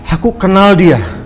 aku kenal dia